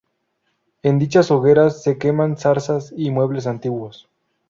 En dichas hogueras se queman zarzas y muebles antiguos.